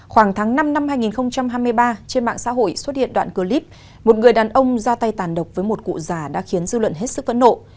khoảng tháng năm năm hai nghìn hai mươi ba trên mạng xã hội xuất hiện đoạn clip một người đàn ông ra tay tàn độc với một cụ già đã khiến dư luận hết sức phẫn nộ